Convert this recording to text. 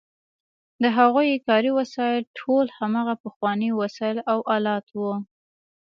د هغوی کاري وسایل ټول هماغه پخواني وسایل او آلات وو.